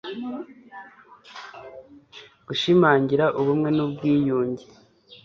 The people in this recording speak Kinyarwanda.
Gushimangira ubumwe n ubwiyunge